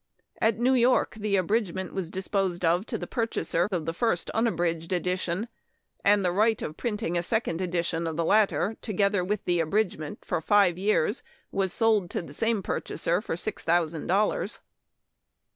At New York the abridgment was dis posed of to the purchasers of the first una bridged edition, and the right of printing a second edition of the latter, together with the abridgment for five years, was sold to the same purchaser for six thousand dollars.